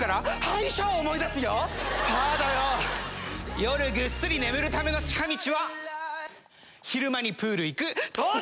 夜ぐっすり眠るための近道は昼間にプール行く到着！